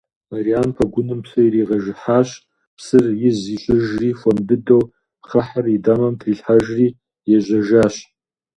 Мэрян пэгуным псы иригъэжыхьащ, псыр из ищӀыжри хуэм дыдэу пхъэхьыр и дамэм трилъхьэжри ежьэжащ.